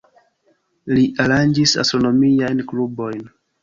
Li aranĝis astronomiajn klubojn.